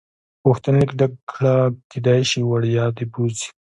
غوښتنلیک ډک کړه کېدای شي وړیا دې بوځي.